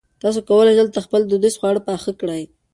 تاسي کولای شئ دلته خپل دودیز خواړه پخ کړي.